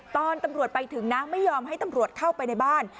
ตอนตำรวจไปถึงนะไม่ยอมให้ตำรวจเข้าไปในบ้าน